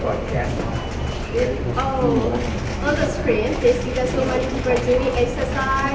พวกมันจัดสินค้าที่๑๙นาที